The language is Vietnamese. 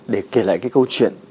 để kể lại cái câu chuyện